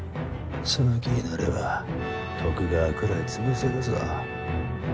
その気になれば徳川くらい潰せるぞ。